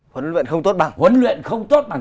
huấn luyện không tốt bằng